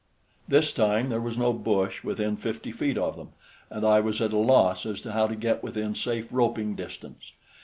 This time there was no bush within fifty feet of them, and I was at a loss as to how to get within safe roping distance.